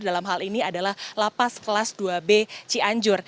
dalam hal ini adalah lapas kelas dua b cianjur